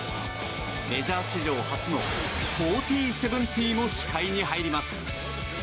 メジャー史上初の４０−７０も視界に入ります。